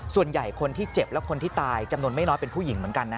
ส่วนใหญ่คนที่เจ็บและคนที่ตายจำนวนไม่น้อยเป็นผู้หญิงเหมือนกันนะ